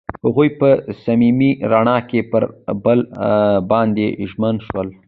هغوی په صمیمي رڼا کې پر بل باندې ژمن شول.